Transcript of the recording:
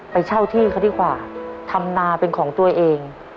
ไปเช่าที่เขาดีกว่าทำนาเป็นของตัวเอง